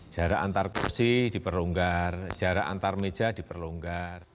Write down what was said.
jarak antar kursi diperlonggar jarak antar meja diperlonggar